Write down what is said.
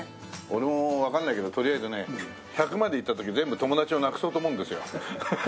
俺もわかんないけどとりあえずね１００までいった時全部友達をなくそうと思うんですよ。